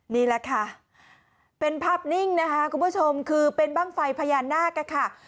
นี่แหละค่ะเป็นภาพนิ่งนะคะคุณผู้ชมคือเป็นบ้างไฟพญานาคค่ะ